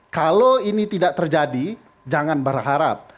kalau ini tidak terjadi jangan berharap